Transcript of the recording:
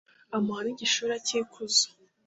amuha n'igishura cy'ikuzo